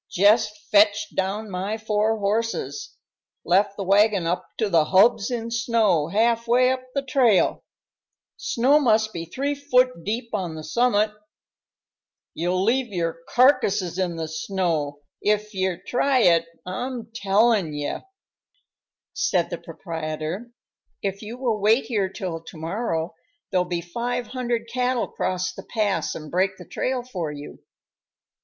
Jest fetched down my four horses left the wagon up to the hubs in snow half way up the trail snow must be three foot deep on the summit. You'll leave your carcasses in the snow, if ye try it, I'm tellin' ye." Said the proprietor, "If you will wait here till to morrow, there'll be five hundred cattle cross the pass and break the trail for you."